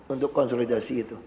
untuk konsolidasi itu